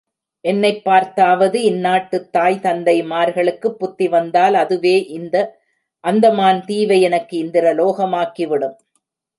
என்னைப் பார்த்தாவது இந்நாட்டுத் தாய் தந்தைமார்களுக்குப் புத்தி வந்தால், அதுவே இந்த அந்தமான் தீவை எனக்கு இந்திரலோகமாக்கிவிடும்.